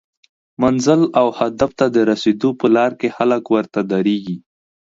منزل او هدف ته د رسیدو په لار کې خلک ورته دریږي